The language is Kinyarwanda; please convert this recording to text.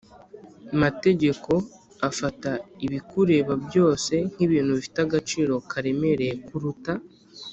mategeko afata ibikureba byose nk'ibintu bifite agaciro karemereye kuruta